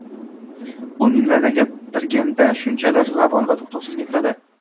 U minbarda gapirganda shunchalar ravon va to’xtovsiz gapiradi.